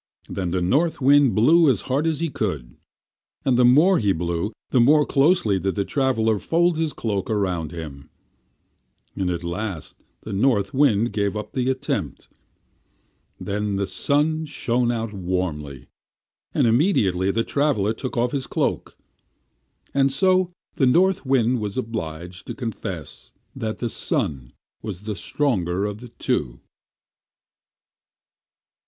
Then the North Wind blew as hard as he could, but the more he blew the more closely did the traveler fold his cloak around him; and at last the North Wind gave up the attempt. Then the Sun shined out warmly, and immediately the traveler took off his cloak. And so the North Wind was obliged to confess that the Sun was the stronger of the two.